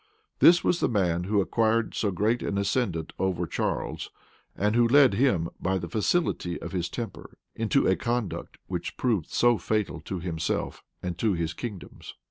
This was the man who acquired so great an ascendant over Charles, and who led him, by the facility of his temper, into a conduct which proved so fatal to himself and to his kingdoms.